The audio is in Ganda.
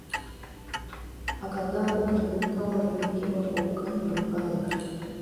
Akagambo kano kawandiikibwa kokka mu bbanga.